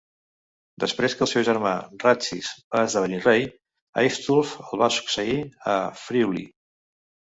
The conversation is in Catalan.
Després que el seu germà Ratchis va esdevenir rei, Aistulf el va succeir a Friuli.